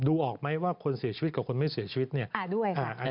ดูออกไหมว่าคนเสียชำว่าเป็นสายเป็นปัจแลนย์กับคนไม่เสียชำว่านี้